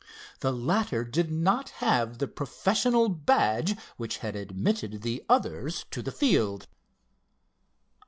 The latter did not have the professional badge which had admitted the others to the field.